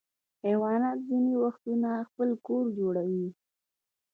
حیوانات ځینې وختونه خپل کور جوړوي.